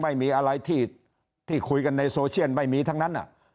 ไม่มีอะไรที่คุยกันในโซเชียลไม่มีทั้งนั้น